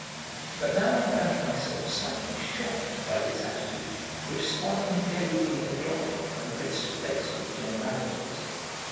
But now I found myself slightly shocked by this attitude which Swann invariably adopted when face to face with generalities.